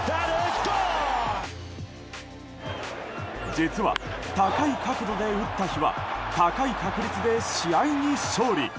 実は、高い角度で打った日は高い確率で試合に勝利。